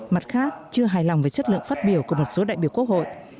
mặt khác chưa hài lòng về chất lượng phát biểu của một số đại biểu quốc hội